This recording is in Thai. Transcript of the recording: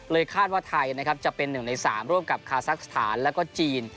คาดว่าไทยนะครับจะเป็น๑ใน๓ร่วมกับคาซักสถานแล้วก็จีน